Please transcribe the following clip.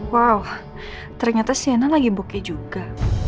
wow ternyata shaina lagi bokeh juga